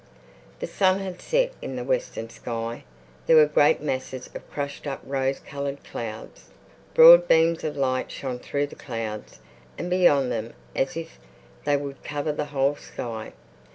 The sun had set. In the western sky there were great masses of crushed up rose coloured clouds. Broad beams of light shone through the clouds and beyond them as if they would cover the whole sky.